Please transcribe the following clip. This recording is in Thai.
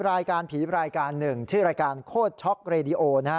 รายการผีรายการหนึ่งชื่อรายการโคตรช็อกเรดิโอนะฮะ